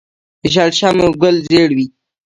د شړشمو ګل ژیړ وي.